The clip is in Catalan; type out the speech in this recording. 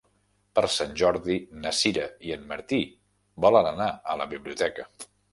Per Sant Jordi na Sira i en Martí volen anar a la biblioteca.